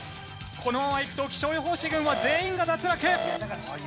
このままいくと気象予報士軍は全員が脱落。